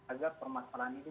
agar permasalahan ini